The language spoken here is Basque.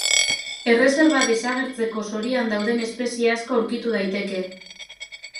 Erreserba desagertzeko zorian dauden espezie asko aurkitu daiteke.